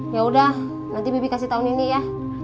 ya udah nanti bibi kasih tahun ini ya